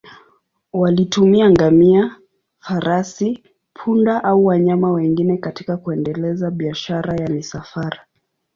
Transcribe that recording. Walitumia ngamia, farasi, punda au wanyama wengine katika kuendeleza biashara ya misafara.